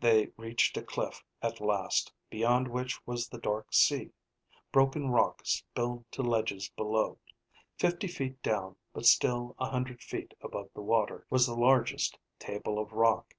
They reached a cliff at last, beyond which was the dark sea. Broken rock spilled to ledges below. Fifty feet down, but still a hundred feet above the water, was the largest table of rock.